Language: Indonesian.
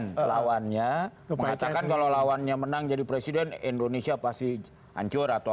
melawannya mengatakan kalau lawannya menang jadi presiden indonesia pasti hancur atau